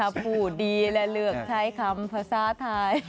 ถ้าพูดดีและเลือกใช้คำภาษาไทย